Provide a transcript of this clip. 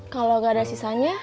kalo gak ada sisanya